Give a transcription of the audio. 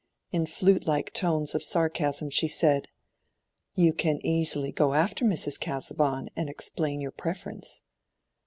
In flute like tones of sarcasm she said— "You can easily go after Mrs. Casaubon and explain your preference."